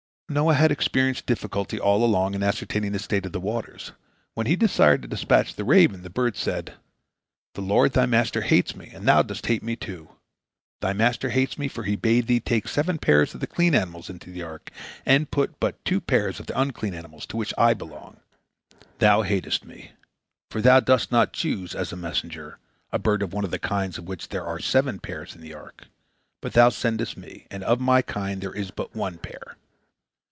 Noah had experienced difficulty all along in ascertaining the state of the waters. When he desired to dispatch the raven, the bird said: "The Lord, thy Master, hates me, and thou dost hate me, too. Thy Master hates me, for He bade thee take seven pairs of the clean animals into the ark, and but two pairs of the unclean animals, to which I belong. Thou hatest me, for thou dost not choose, as a messenger, a bird of one of the kinds of which there are seven pairs in the ark, but thou sendest me, and of my kind there is but one pair.